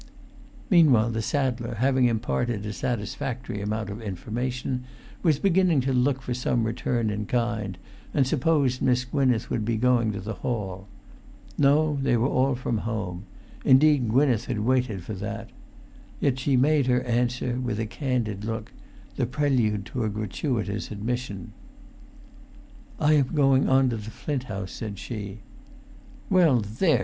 Meanwhile the saddler, having imparted a satisfactory amount of information, was beginning to look for some return in kind, and supposed Miss Gwynneth would be going to the hall. No, they were all[Pg 403] from home; indeed, Gwynneth had waited for that. Yet she made her answer with a candid look, the prelude to a gratuitous admission. "I am going on to the Flint House," said she. "Well, there!"